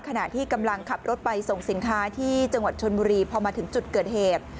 ขณะที่กำลังขับรถไปส่งสินค้าที่จังหวัดชนบุรีพอมาถึงจุดเกิดเหตุ